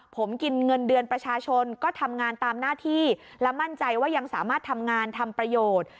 ผมกินเงินเดือนประชาชนก็ทำงานตามหน้าที่และมั่นใจว่ายังสามารถทำงานทำประโยชน์